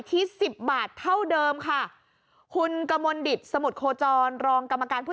ที่สิบบาทเท่าเดิมค่ะคุณกมลดิตสมุทรโคจรรองกรรมการผู้